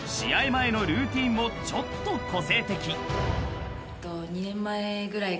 前のルーティンもちょっと個性的］